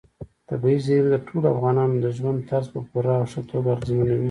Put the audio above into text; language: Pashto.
طبیعي زیرمې د ټولو افغانانو د ژوند طرز په پوره او ښه توګه اغېزمنوي.